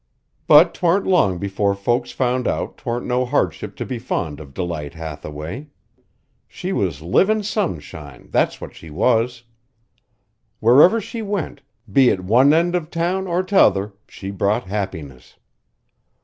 But 'twarn't long before folks found out 'twarn't no hardship to be fond of Delight Hathaway. She was livin' sunshine, that's what she was! Wherever she went, be it one end of town or t'other, she brought happiness.